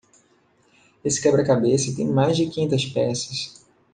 Esse quebra-cabeça tem mais de quinhentas peças.